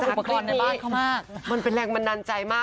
คุณผู้ชมค่ะชอบอุปกรณ์ในบ้านเขามากมันเป็นแรงบันดาลใจมาก